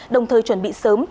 đồng thời chuẩn bị sớm